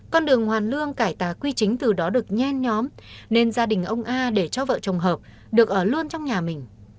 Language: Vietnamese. con đường hoàn lương cải tá quy chính từ đó được nhen nhóm nên gia đình ông a để cho vợ chồng hợp được ở luôn trong nhà mình